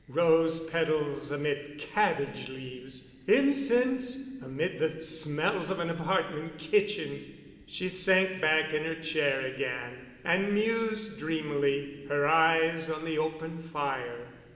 Rose petals amid cabbage leaves! Incense amid the smells of an apartment kitchen!" She sank back in her chair again and mused dreamily, her eyes on the open fire.